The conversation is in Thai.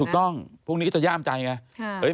ถูกต้องพวกนี้ก็จะย่ามใจไง